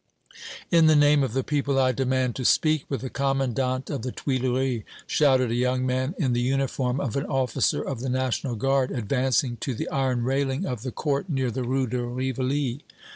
"In the name of the people I demand to speak with the commandant of the Tuileries!" shouted a young man in the uniform of an officer of the National Guard, advancing to the iron railing of the court near the Rue de Rivoli.